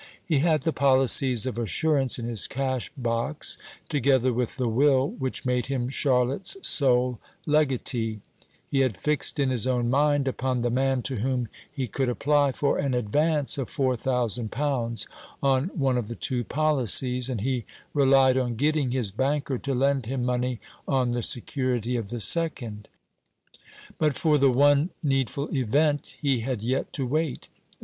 He had the policies of assurance in his cash box, together with the will which made him Charlotte's sole legatee; he had fixed in his own mind upon the man to whom he could apply for an advance of four thousand pounds on one of the two policies, and he relied on getting his banker to lend him money on the security of the second. But for the one needful event he had yet to wait.